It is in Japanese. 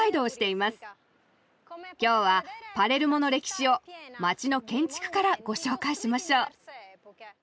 今日はパレルモの歴史を街の建築からご紹介しましょう。